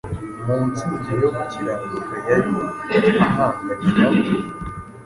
mu ntsinzi yo gukiranuka yari ahanganye n’abo